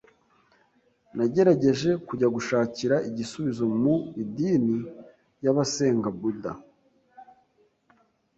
Nagerageje kujya gushakira igisubizo mu idini y’abasenga Buda,